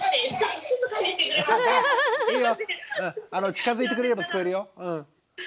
近づいてくれれば聞こえるようん。